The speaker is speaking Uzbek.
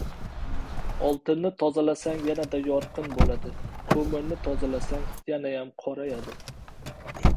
• Oltinni tozalasang yanada yorqin bo‘ladi, ko‘mirni tozalasang yanayam qorayadi.